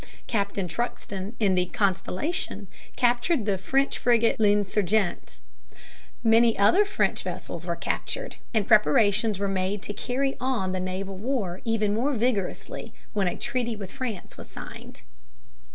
Captain Truxton, in the Constellation, captured the French frigate L'Insurgent. Many other French vessels were captured, and preparations were made to carry on the naval war even more vigorously when a treaty with France was signed.